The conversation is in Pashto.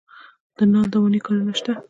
د نل دوانۍ کارونه شته